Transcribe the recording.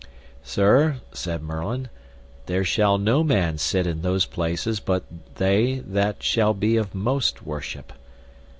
Sir, said Merlin, there shall no man sit in those places but they that shall be of most worship.